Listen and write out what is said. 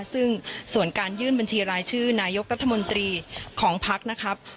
ซึ่งส่วนการยื่นบัญชีรายชื่อนายกรัฐมนตรีของพักนะครับ